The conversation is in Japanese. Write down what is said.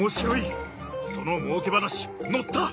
そのもうけ話乗った！